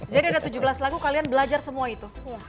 jadi ada tujuh belas lagu kalian belajar semua itu